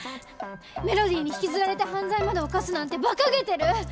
メロディーに引きずられて犯罪まで犯すなんてバカげてる！